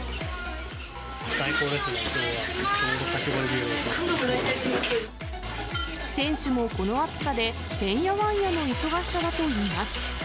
最高ですね、きょうは、店主もこの暑さで、てんやわんやの忙しさだといいます。